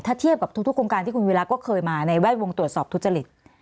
ถ้าเทียบกับทุกโครงการที่คุณวีระก็เคยมาในแวดวงตรวจสอบทุจริต